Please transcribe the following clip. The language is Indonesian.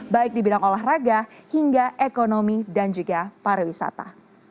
baik di bidang olahraga hingga ekonomi dan juga pariwisata